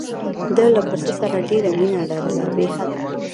ده له پسه سره ډېره مینه لرله بې حده.